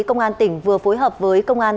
công an tỉnh vừa phối hợp với công an